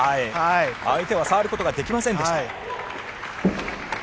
相手は触ることができませんでした。